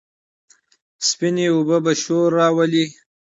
سپينې اوبه به شور راولي،